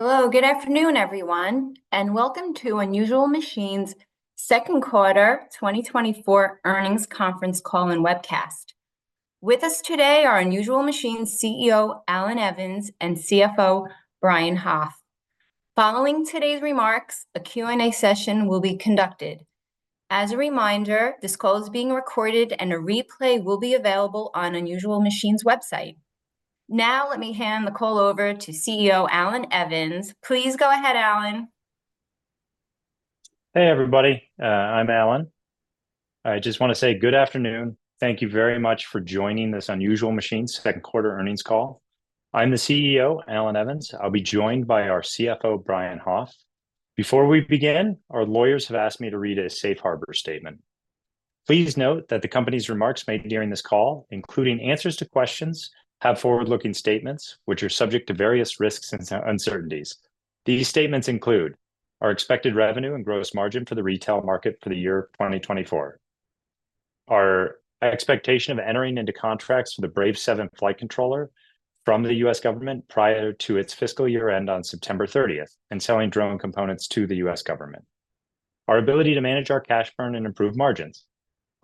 Hello, good afternoon, everyone, and welcome to Unusual Machines' second quarter 2024 earnings conference call and webcast. With us today are Unusual Machines CEO, Allan Evans, and CFO, Brian Hoff. Following today's remarks, a Q&A session will be conducted. As a reminder, this call is being recorded and a replay will be available on Unusual Machines' website. Now, let me hand the call over to CEO, Allan Evans. Please go ahead, Allan. Hey, everybody, I'm Allan. I just wanna say good afternoon. Thank you very much for joining this Unusual Machines second quarter earnings call. I'm the CEO, Allan Evans. I'll be joined by our CFO, Brian Hoff. Before we begin, our lawyers have asked me to read a safe harbor statement. Please note that the company's remarks made during this call, including answers to questions, have forward-looking statements, which are subject to various risks and uncertainties. These statements include: our expected revenue and gross margin for the retail market for the year 2024, our expectation of entering into contracts for the Brave 7 flight controller from the US government prior to its fiscal year end on September 30th, and selling drone components to the US government, our ability to manage our cash burn and improve margins,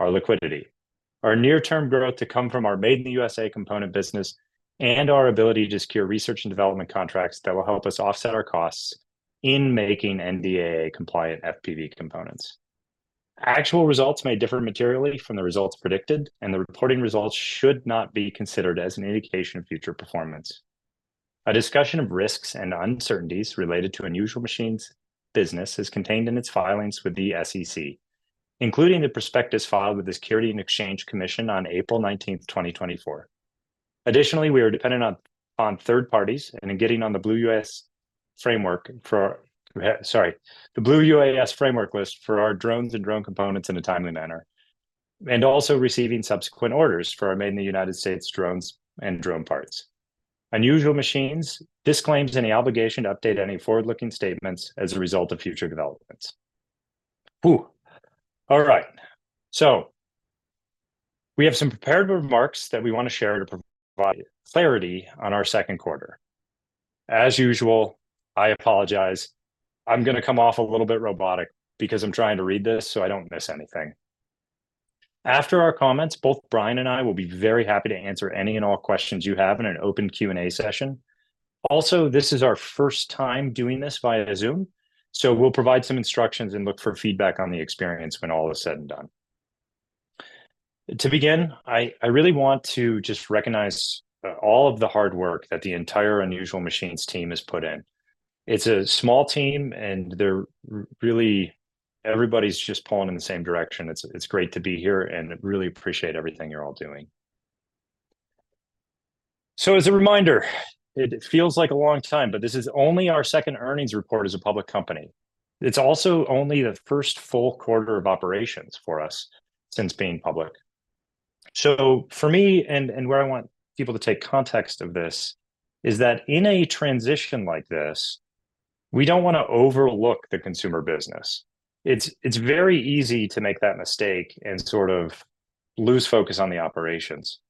our liquidity, our near-term growth to come from our Made in the USA component business, and our ability to secure research and development contracts that will help us offset our costs in making NDAA-compliant FPV components. Actual results may differ materially from the results predicted, and the reporting results should not be considered as an indication of future performance. A discussion of risks and uncertainties related to Unusual Machines' business is contained in its filings with the SEC, including the prospectus filed with the Securities and Exchange Commission on April 19th, 2024. Additionally, we are dependent on third parties and in getting on the Blue UAS Framework list for our drones and drone components in a timely manner, and also receiving subsequent orders for our made in the United States drones and drone parts. Unusual Machines disclaims any obligation to update any forward-looking statements as a result of future developments. Whew! All right. So we have some prepared remarks that we wanna share to provide clarity on our second quarter. As usual, I apologize, I'm gonna come off a little bit robotic because I'm trying to read this, so I don't miss anything. After our comments, both Brian and I will be very happy to answer any and all questions you have in an open Q&A session. Also, this is our first time doing this via Zoom, so we'll provide some instructions and look for feedback on the experience when all is said and done. To begin, I really want to just recognize all of the hard work that the entire Unusual Machines team has put in. It's a small team, and they're really everybody's just pulling in the same direction. It's great to be here, and I really appreciate everything you're all doing. So as a reminder, it feels like a long time, but this is only our second earnings report as a public company. It's also only the first full quarter of operations for us since being public. So for me, and, and where I want people to take context of this, is that in a transition like this, we don't wanna overlook the consumer business. It's, it's very easy to make that mistake and sort of lose focus on the operations.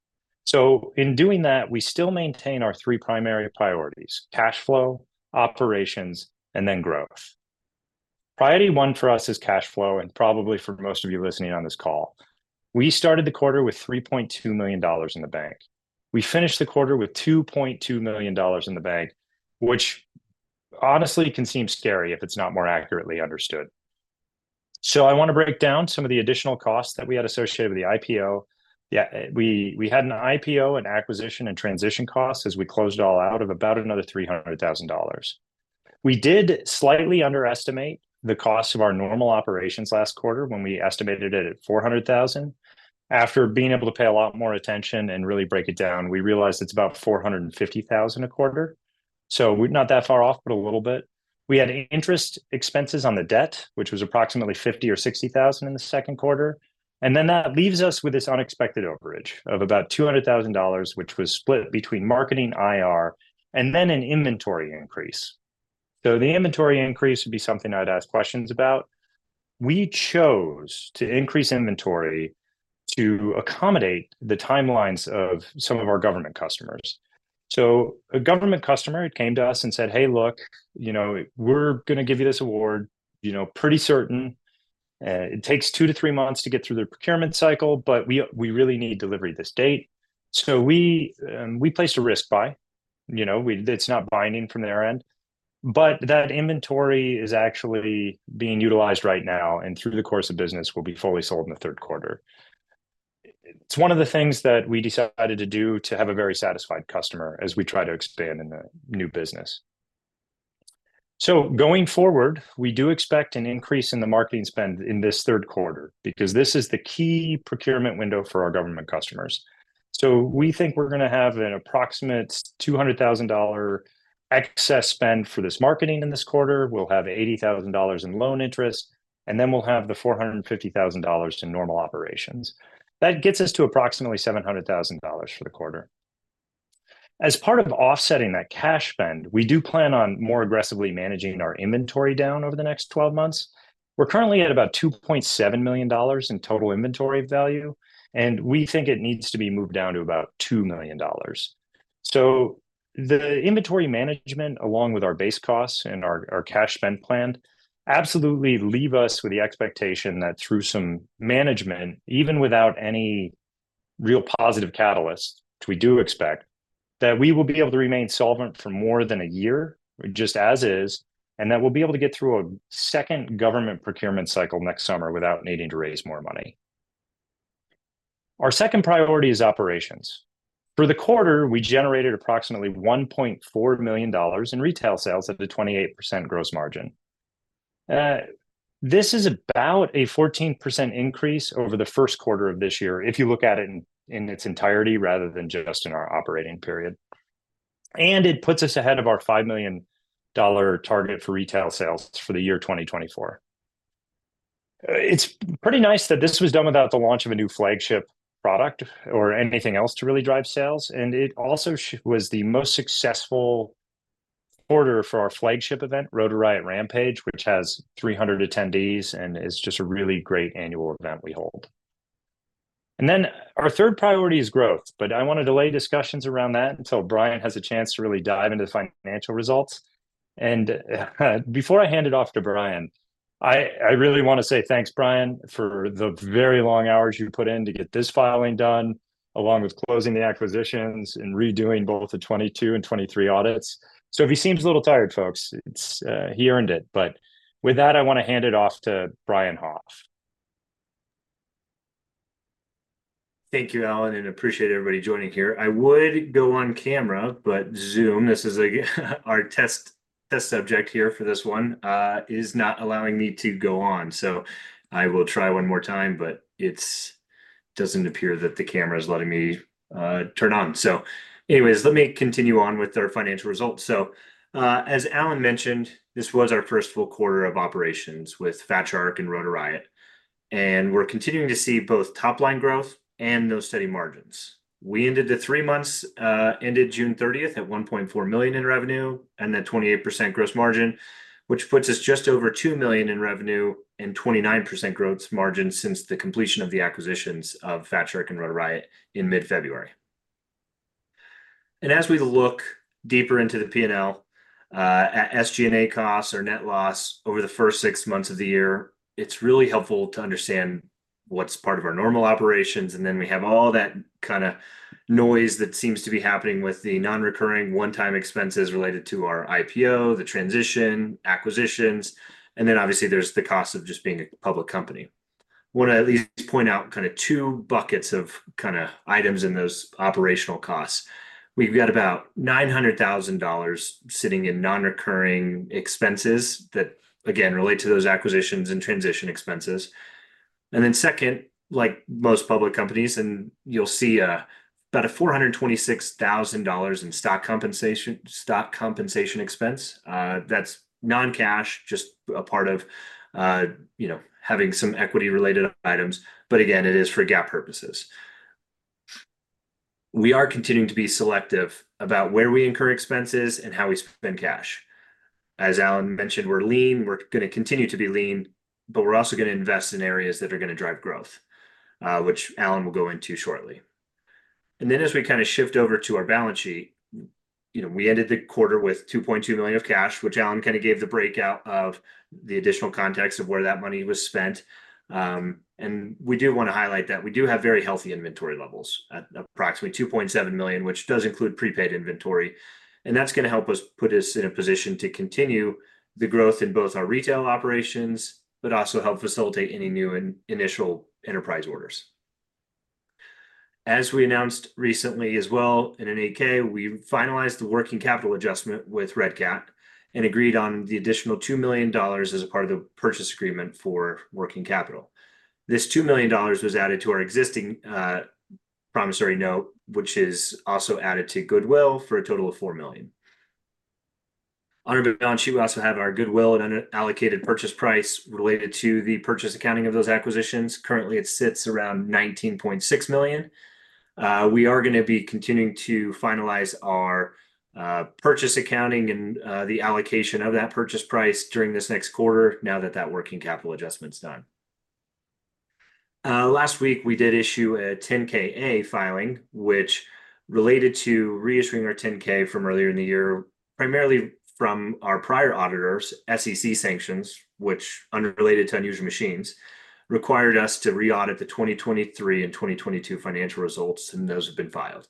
So in doing that, we still maintain our three primary priorities: cash flow, operations, and then growth. Priority one for us is cash flow, and probably for most of you listening on this call. We started the quarter with $3.2 million in the bank. We finished the quarter with $2.2 million in the bank, which honestly can seem scary if it's not more accurately understood. So I wanna break down some of the additional costs that we had associated with the IPO. Yeah, we had an IPO, an acquisition, and transition costs as we closed all out of about another $300,000. We did slightly underestimate the cost of our normal operations last quarter when we estimated it at $400,000. After being able to pay a lot more attention and really break it down, we realized it's about $450,000 a quarter, so we're not that far off, but a little bit. We had interest expenses on the debt, which was approximately $50,000 to $60,000 in the second quarter. And then that leaves us with this unexpected overage of about $200,000, which was split between marketing IR and then an inventory increase. So the inventory increase would be something I'd ask questions about. We chose to increase inventory to accommodate the timelines of some of our government customers. So a government customer came to us and said, "Hey, look, you know, we're gonna give you this award, you know, pretty certain, it takes 2 to 3 months to get through the procurement cycle, but we, we really need delivery this date." So we, we placed a risk buy. You know, we- it's not binding from their end, but that inventory is actually being utilized right now, and through the course of business, will be fully sold in the third quarter. It's one of the things that we decided to do to have a very satisfied customer as we try to expand in the new business. So going forward, we do expect an increase in the marketing spend in this third quarter because this is the key procurement window for our government customers. So we think we're gonna have an approximate $200,000 excess spend for this marketing in this quarter. We'll have $80,000 in loan interest, and then we'll have the $450,000 to normal operations. That gets us to approximately $700,000 for the quarter. As part of offsetting that cash spend, we do plan on more aggressively managing our inventory down over the next 12 months. We're currently at about $2.7 million in total inventory value, and we think it needs to be moved down to about $2 million....So the inventory management, along with our base costs and our, our cash spend plan, absolutely leave us with the expectation that through some management, even without any real positive catalyst, which we do expect, that we will be able to remain solvent for more than a year just as is, and that we'll be able to get through a second government procurement cycle next summer without needing to raise more money. Our second priority is operations. For the quarter, we generated approximately $1.4 million in retail sales at the 28% gross margin. This is about a 14% increase over the first quarter of this year, if you look at it in, in its entirety, rather than just in our operating period. And it puts us ahead of our $5 million target for retail sales for the year 2024. It's pretty nice that this was done without the launch of a new flagship product or anything else to really drive sales, and it also was the most successful quarter for our flagship event, Rotor Riot Rampage, which has 300 attendees and is just a really great annual event we hold. And then our third priority is growth, but I wanna delay discussions around that until Brian has a chance to really dive into the financial results. And before I hand it off to Brian, I really wanna say thanks, Brian, for the very long hours you put in to get this filing done, along with closing the acquisitions and redoing both the 2022 and 2023 audits. So if he seems a little tired, folks, it's he earned it. But with that, I wanna hand it off to Brian Hoff. Thank you, Allan, and appreciate everybody joining here. I would go on camera, but Zoom, this is, again, our test subject here for this one, is not allowing me to go on. So I will try one more time, but it's... doesn't appear that the camera is letting me turn on. So anyways, let me continue on with our financial results. So, as Allan mentioned, this was our first full quarter of operations with Fat Shark and Rotor Riot, and we're continuing to see both top line growth and those steady margins. We ended the three months ended June 30th, at $1.4 million in revenue, and then 28% gross margin, which puts us just over $2 million in revenue and 29% gross margin since the completion of the acquisitions of Fat Shark and Rotor Riot in mid-February. And as we look deeper into the P&L, at SG&A costs or net loss over the first six months of the year, it's really helpful to understand what's part of our normal operations, and then we have all that kinda noise that seems to be happening with the non-recurring, one-time expenses related to our IPO, the transition, acquisitions, and then obviously there's the cost of just being a public company. Wanna at least point out kinda two buckets of kinda items in those operational costs. We've got about $900,000 sitting in non-recurring expenses that, again, relate to those acquisitions and transition expenses. And then second, like most public companies, and you'll see, about a $426,000 in stock compensation, stock compensation expense. That's non-cash, just a part of, you know, having some equity-related items, but again, it is for GAAP purposes. We are continuing to be selective about where we incur expenses and how we spend cash. As Allan mentioned, we're lean, we're gonna continue to be lean, but we're also gonna invest in areas that are gonna drive growth, which Allan will go into shortly. And then as we kinda shift over to our balance sheet, you know, we ended the quarter with $2.2 million of cash, which Allan kinda gave the breakout of the additional context of where that money was spent. And we do wanna highlight that we do have very healthy inventory levels at approximately $2.7 million, which does include prepaid inventory, and that's gonna help us put us in a position to continue the growth in both our retail operations, but also help facilitate any new initial enterprise orders. As we announced recently as well, in an 8-K, we finalized the working capital adjustment with Red Cat and agreed on the additional $2 million as a part of the purchase agreement for working capital. This $2 million was added to our existing, promissory note, which is also added to goodwill for a total of $4 million. On our balance sheet, we also have our goodwill and unallocated purchase price related to the purchase accounting of those acquisitions. Currently, it sits around $19.6 million. We are gonna be continuing to finalize our, purchase accounting and, the allocation of that purchase price during this next quarter, now that that working capital adjustment's done. Last week, we did issue a 10-K/A filing, which related to reissuing our 10-K from earlier in the year, primarily from our prior auditors, SEC sanctions, which, unrelated to Unusual Machines, required us to re-audit the 2023 and 2022 financial results, and those have been filed.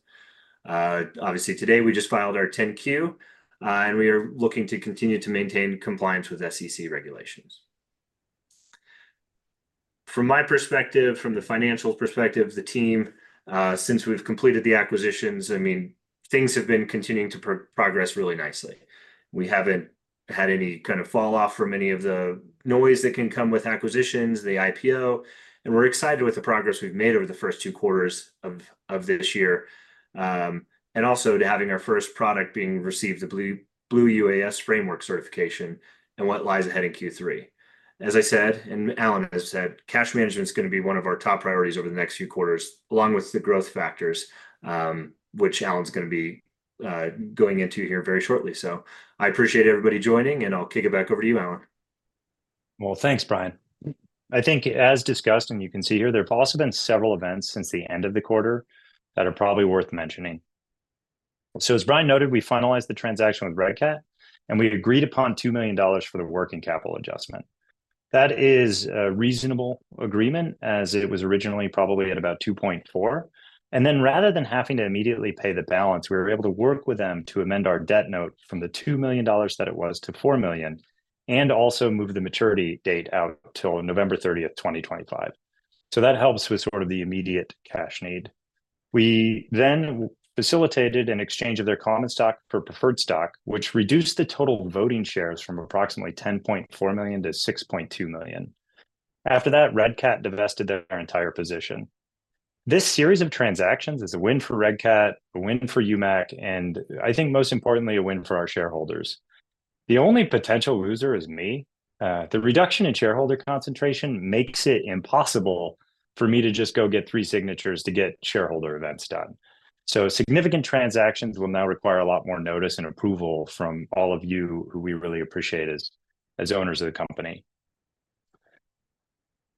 Obviously today, we just filed our 10-Q, and we are looking to continue to maintain compliance with SEC regulations. From my perspective, from the financial perspective, the team, since we've completed the acquisitions, I mean, things have been continuing to progress really nicely. We haven't had any kind of fall-off from any of the noise that can come with acquisitions, the IPO, and we're excited with the progress we've made over the first two quarters of this year. and also to having our first product being received, the Blue UAS Framework Certification, and what lies ahead in Q3. As I said, and Allan has said, cash management's gonna be one of our top priorities over the next few quarters, along with the growth factors, which Allan's gonna be going into here very shortly. I appreciate everybody joining, and I'll kick it back over to you, Allan.... Well, thanks, Brian. I think as discussed, and you can see here, there have also been several events since the end of the quarter that are probably worth mentioning. So as Brian noted, we finalized the transaction with Red Cat, and we agreed upon $2 million for the working capital adjustment. That is a reasonable agreement, as it was originally probably at about $2.4 million. And then rather than having to immediately pay the balance, we were able to work with them to amend our debt note from the $2 million that it was to $4 million, and also move the maturity date out till November 30th, 2025. So that helps with sort of the immediate cash need. We then facilitated an exchange of their common stock for preferred stock, which reduced the total voting shares from approximately 10.4 million to 6.2 million. After that, Red Cat divested their entire position. This series of transactions is a win for Red Cat, a win for UMAC, and I think most importantly, a win for our shareholders. The only potential loser is me. The reduction in shareholder concentration makes it impossible for me to just go get three signatures to get shareholder events done. So significant transactions will now require a lot more notice and approval from all of you, who we really appreciate as, as owners of the company.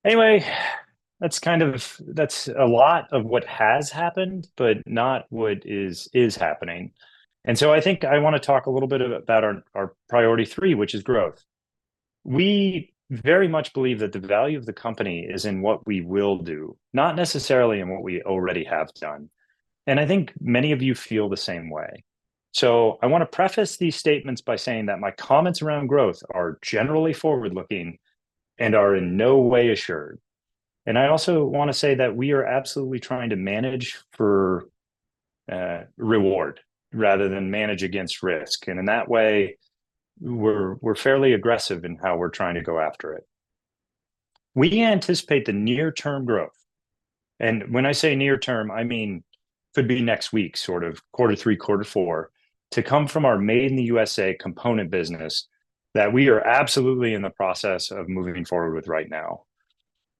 Anyway, that's kind of- that's a lot of what has happened, but not what is, is happening. And so I think I wanna talk a little bit about our, our priority three, which is growth. We very much believe that the value of the company is in what we will do, not necessarily in what we already have done, and I think many of you feel the same way. So I wanna preface these statements by saying that my comments around growth are generally forward-looking and are in no way assured. And I also wanna say that we are absolutely trying to manage for reward rather than manage against risk. And in that way, we're, we're fairly aggressive in how we're trying to go after it. We anticipate the near-term growth, and when I say near term, I mean, could be next week, sort of quarter three, quarter four, to come from our Made in the USA component business that we are absolutely in the process of moving forward with right now.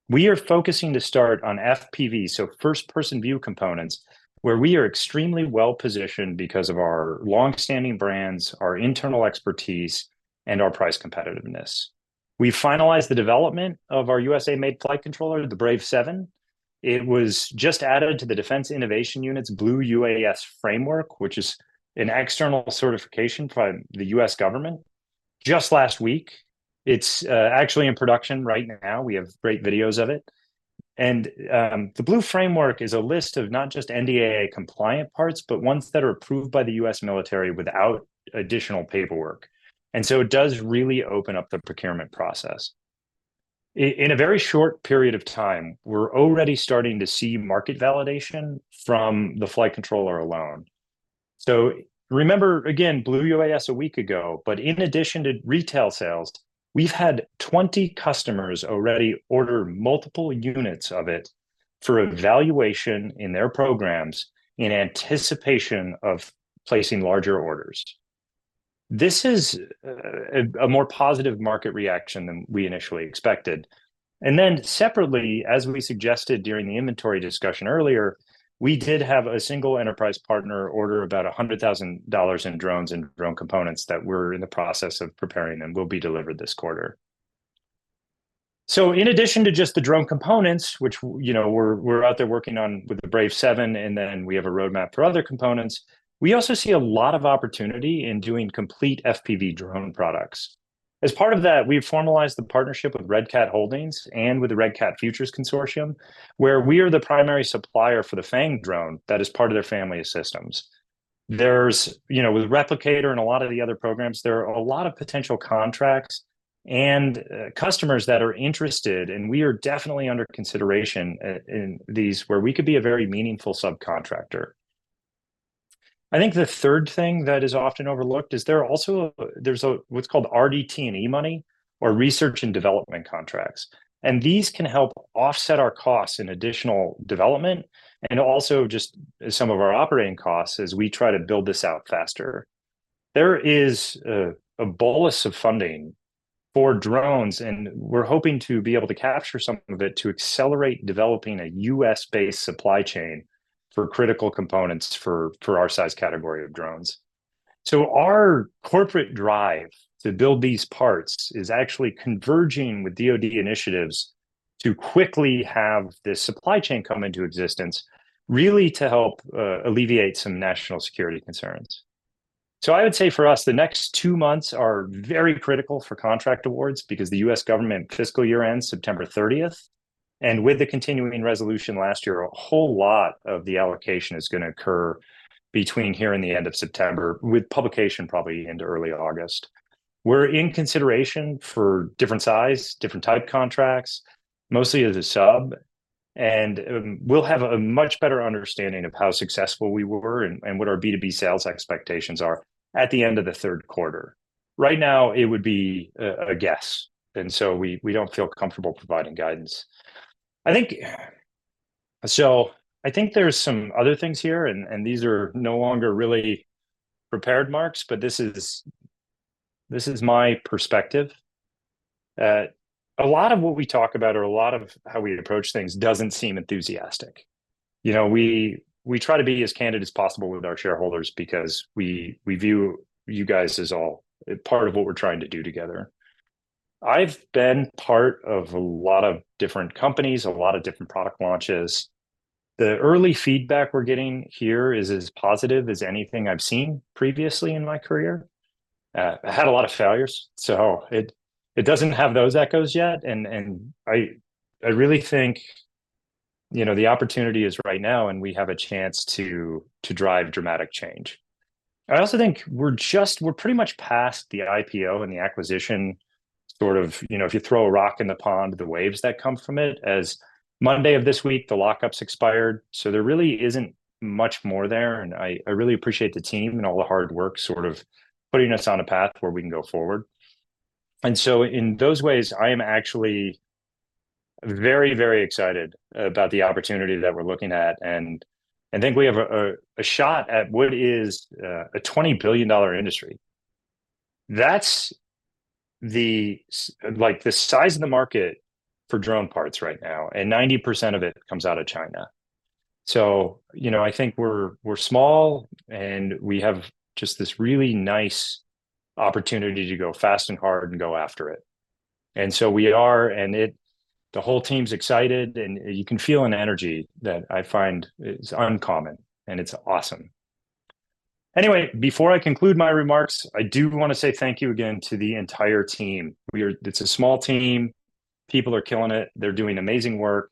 We are focusing to start on FPV, so First Person View components, where we are extremely well-positioned because of our long-standing brands, our internal expertise, and our price competitiveness. We finalized the development of our USA-made flight controller, the Brave 7. It was just added to the Defense Innovation Unit's Blue UAS framework, which is an external certification from the US government, just last week. It's actually in production right now. We have great videos of it. And, the Blue framework is a list of not just NDAA-compliant parts, but ones that are approved by the US military without additional paperwork, and so it does really open up the procurement process. In a very short period of time, we're already starting to see market validation from the flight controller alone. So remember, again, Blue UAS a week ago, but in addition to retail sales, we've had 20 customers already order multiple units of it for evaluation in their programs in anticipation of placing larger orders. This is a more positive market reaction than we initially expected. And then separately, as we suggested during the inventory discussion earlier, we did have a single enterprise partner order about $100,000 in drones and drone components that we're in the process of preparing and will be delivered this quarter. So in addition to just the drone components, which, you know, we're out there working on with the Brave 7, and then we have a roadmap for other components, we also see a lot of opportunity in doing complete FPV drone products. As part of that, we've formalized the partnership with Red Cat Holdings and with the Red Cat Futures Consortium, where we are the primary supplier for the Fang drone that is part of their family of systems. There's, you know, with Replicator and a lot of the other programs, there are a lot of potential contracts and, customers that are interested, and we are definitely under consideration, in these, where we could be a very meaningful subcontractor. I think the third thing that is often overlooked is there are also. There's a, what's called RDT&E money, or research and development contracts, and these can help offset our costs in additional development and also just some of our operating costs as we try to build this out faster. There is a bolus of funding for drones, and we're hoping to be able to capture some of it to accelerate developing a US-based supply chain for critical components for our size category of drones. So our corporate drive to build these parts is actually converging with DoD initiatives to quickly have this supply chain come into existence, really to help alleviate some national security concerns. So I would say for us, the next two months are very critical for contract awards because the US government fiscal year ends September 30th, and with the continuing resolution last year, a whole lot of the allocation is gonna occur between here and the end of September, with publication probably into early August. We're in consideration for different size, different type contracts, mostly as a sub, and we'll have a much better understanding of how successful we were and what our B2B sales expectations are at the end of the third quarter. Right now, it would be a guess, and so we don't feel comfortable providing guidance. I think. So I think there are some other things here, and these are no longer really prepared marks, but this is my perspective. A lot of what we talk about or a lot of how we approach things doesn't seem enthusiastic. You know, we try to be as candid as possible with our shareholders because we view you guys as all a part of what we're trying to do together. I've been part of a lot of different companies, a lot of different product launches. The early feedback we're getting here is as positive as anything I've seen previously in my career. I had a lot of failures, so it doesn't have those echoes yet, and I really think, you know, the opportunity is right now, and we have a chance to drive dramatic change. I also think we're just pretty much past the IPO and the acquisition, sort of, you know, if you throw a rock in the pond, the waves that come from it. As of Monday of this week, the lock-ups expired, so there really isn't much more there, and I really appreciate the team and all the hard work sort of putting us on a path where we can go forward. And so in those ways, I am actually very, very excited about the opportunity that we're looking at, and I think we have a shot at what is a $20 billion industry. That's the size of the market for drone parts right now, and 90% of it comes out of China. So, you know, I think we're small, and we have just this really nice opportunity to go fast and hard and go after it. And so we are, and it. The whole team's excited, and you can feel an energy that I find is uncommon, and it's awesome. Anyway, before I conclude my remarks, I do wanna say thank you again to the entire team. It's a small team. People are killing it. They're doing amazing work,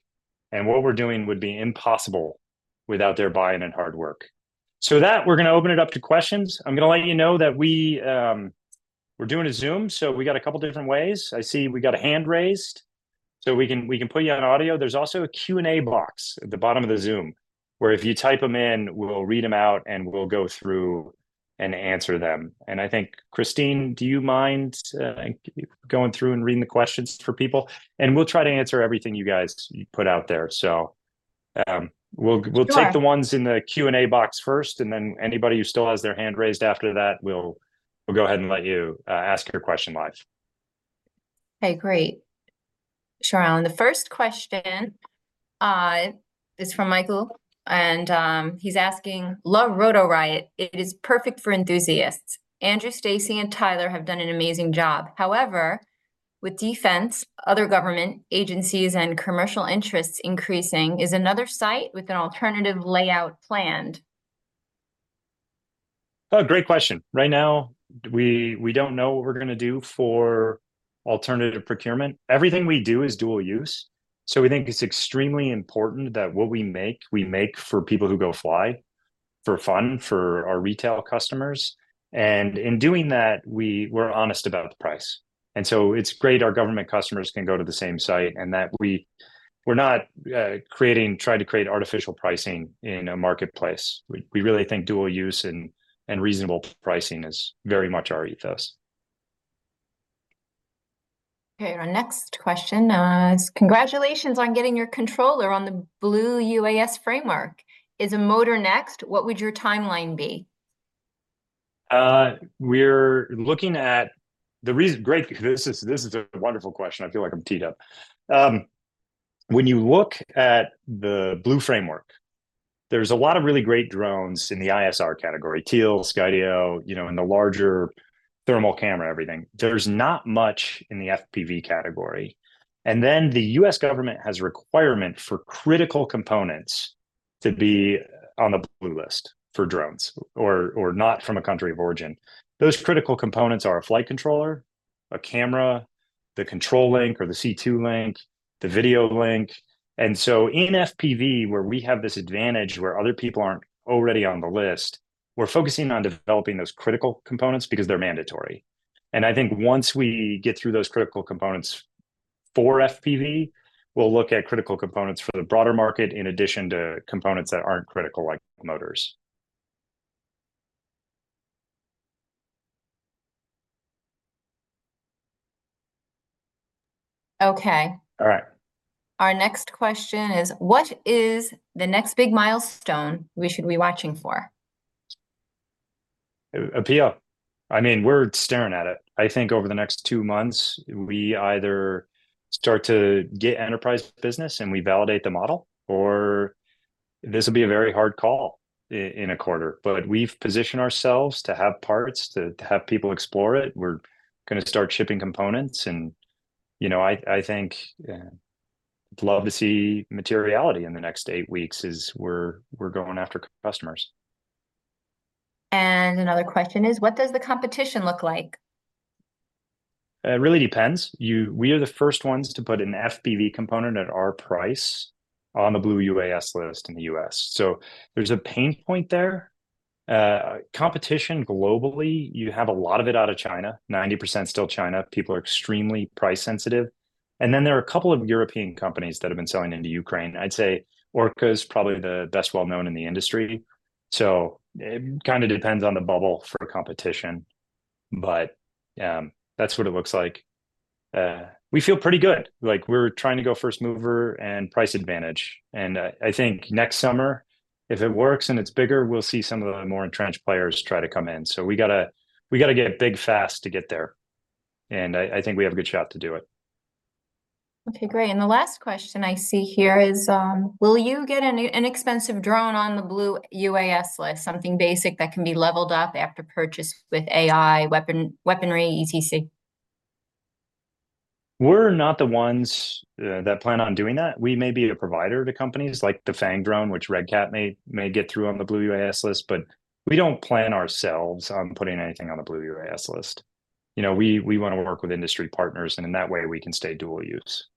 and what we're doing would be impossible without their buy-in and hard work. So with that, we're gonna open it up to questions. I'm gonna let you know that we, we're doing a Zoom, so we got a couple different ways. I see we got a hand raised, so we can put you on audio. There's also a Q&A box at the bottom of the Zoom, where if you type them in, we'll read them out, and we'll go through and answer them. And I think, Christine, do you mind going through and reading the questions for people? And we'll try to answer everything you guys put out there. So, we'll- Sure. We'll take the ones in the Q&A box first, and then anybody who still has their hand raised after that, we'll go ahead and let you ask your question live. Okay, great. Sure, Allan. The first question is from Michael, and he's asking: "Love Rotor Riot. It is perfect for enthusiasts. Andrew, Stacy, and Tyler have done an amazing job. However, with defense, other government agencies, and commercial interests increasing, is another site with an alternative layout planned? Oh, great question. Right now, we don't know what we're gonna do for alternative procurement. Everything we do is dual use, so we think it's extremely important that what we make, we make for people who go fly for fun, for our retail customers. And in doing that, we're honest about the price. And so it's great our government customers can go to the same site, and that we... We're not creating, trying to create artificial pricing in a marketplace. We really think dual use and reasonable pricing is very much our ethos. Okay, our next question is, "Congratulations on getting your controller on the Blue UAS Framework. Is a motor next? What would your timeline be? This is, this is a wonderful question. I feel like I'm teed up. When you look at the Blue framework, there's a lot of really great drones in the ISR category, Teal, Skydio, you know, and the larger thermal camera, everything. There's not much in the FPV category. And then the US government has a requirement for critical components to be on the Blue list for drones or, or not from a country of origin. Those critical components are a flight controller, a camera, the control link or the C2 link, the video link. And so in FPV, where we have this advantage where other people aren't already on the list, we're focusing on developing those critical components because they're mandatory. I think once we get through those critical components for FPV, we'll look at critical components for the broader market, in addition to components that aren't critical, like motors. Okay. All right. Our next question is, "What is the next big milestone we should be watching for? A PO. I mean, we're staring at it. I think over the next 2 months, we either start to get enterprise business and we validate the model, or this will be a very hard call in a quarter. But we've positioned ourselves to have parts, to have people explore it. We're gonna start shipping components, and, you know, I think love to see materiality in the next 8 weeks as we're going after customers. Another question is, "What does the competition look like? It really depends. We are the first ones to put an FPV component at our price on the Blue UAS list in the US, so there's a pain point there. Competition globally, you have a lot of it out of China, 90% still China. People are extremely price-sensitive. And then there are a couple of European companies that have been selling into Ukraine. I'd say Orqa is probably the best well-known in the industry. So it kind of depends on the bubble for competition, but that's what it looks like. We feel pretty good. Like, we're trying to go first mover and price advantage, and I think next summer, if it works and it's bigger, we'll see some of the more entrenched players try to come in. So we gotta, we gotta get big fast to get there, and I, I think we have a good shot to do it. ... Okay, great. And the last question I see here is, will you get an inexpensive drone on the Blue UAS list, something basic that can be leveled up after purchase with AI, weapon, weaponry, etc? We're not the ones that plan on doing that. We may be a provider to companies, like the FANG drone, which Red Cat may get through on the Blue UAS list, but we don't plan ourselves on putting anything on the Blue UAS list. You know, we wanna work with industry partners, and in that way, we can stay dual use.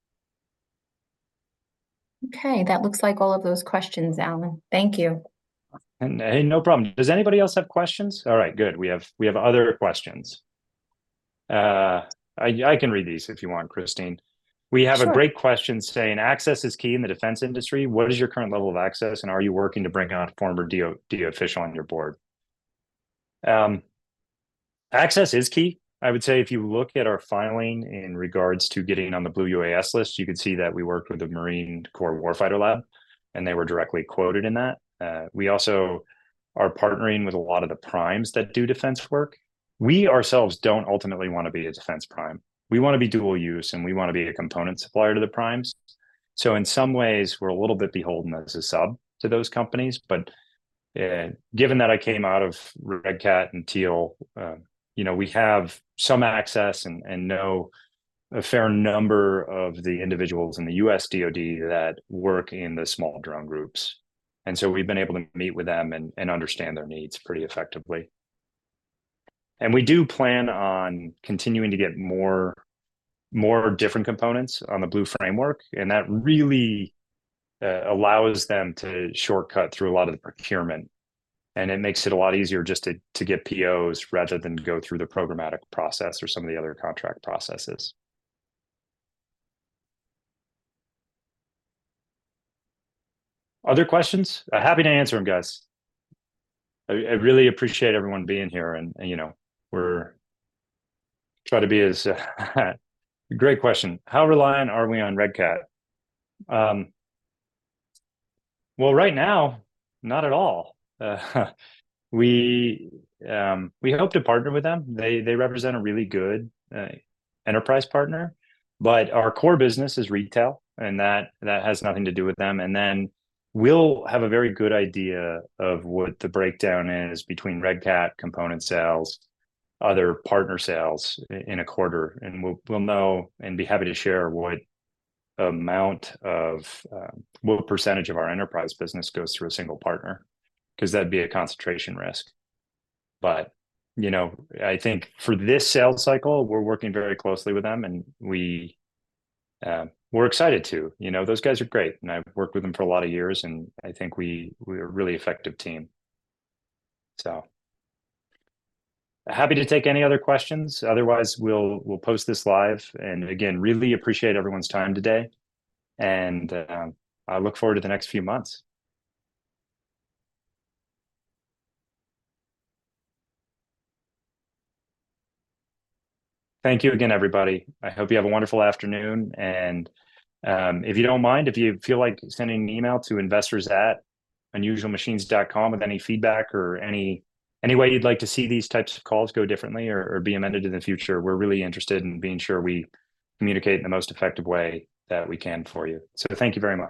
Okay, that looks like all of those questions, Allan. Thank you. Hey, no problem. Does anybody else have questions? All right, good. We have other questions. I can read these if you want, Christine. Sure. We have a great question saying, "Access is key in the defense industry. What is your current level of access, and are you working to bring on a former DoD official on your board?" Access is key. I would say if you look at our filing in regards to getting on the Blue UAS list, you could see that we worked with the Marine Corps Warfighter Lab, and they were directly quoted in that. We also are partnering with a lot of the primes that do defense work. We ourselves don't ultimately wanna be a defense prime. We wanna be dual use, and we wanna be a component supplier to the primes. So in some ways, we're a little bit beholden as a sub to those companies, but, given that I came out of Red Cat and Teal, you know, we have some access and know a fair number of the individuals in the US DOD that work in the small drone groups. And so we've been able to meet with them and understand their needs pretty effectively. And we do plan on continuing to get more different components on the Blue framework, and that really allows them to shortcut through a lot of the procurement, and it makes it a lot easier just to get POs rather than go through the programmatic process or some of the other contract processes. Other questions? Happy to answer them, guys. I really appreciate everyone being here, and, you know, we're... Try to be as ...Great question: "How reliant are we on Red Cat?" Well, right now, not at all. We, we hope to partner with them. They, they represent a really good enterprise partner, but our core business is retail, and that, that has nothing to do with them. And then we'll have a very good idea of what the breakdown is between Red Cat component sales, other partner sales in a quarter, and we'll, we'll know, and be happy to share what amount of, what percentage of our enterprise business goes through a single partner, 'cause that'd be a concentration risk. But, you know, I think for this sales cycle, we're working very closely with them, and we, we're excited to. You know, those guys are great, and I've worked with them for a lot of years, and I think we're a really effective team. So happy to take any other questions, otherwise, we'll post this live. And again, really appreciate everyone's time today, and I look forward to the next few months. Thank you again, everybody. I hope you have a wonderful afternoon, and if you don't mind, if you feel like sending an email to investors@unusualmachines.com with any feedback or any way you'd like to see these types of calls go differently or be amended in the future, we're really interested in being sure we communicate in the most effective way that we can for you. So thank you very much.